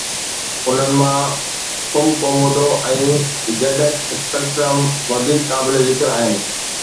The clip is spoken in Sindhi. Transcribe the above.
انهن مان، Cumcomodo ۽ ZX Spectrum وڌيڪ قابل ذڪر آهن